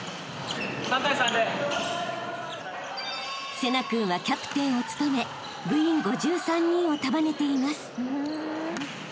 ［聖成君はキャプテンを務め部員５３人を束ねています］